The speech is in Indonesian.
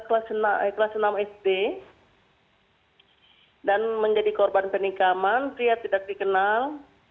kelas enam sd dan menjadi korban penikaman pria tidak dikenal